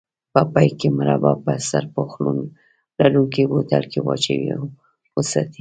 په پای کې مربا په سرپوښ لرونکي بوتل کې واچوئ او وساتئ.